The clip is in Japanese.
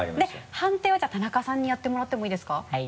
判定はじゃあ田中さんにやってもらってもいいですか？はい。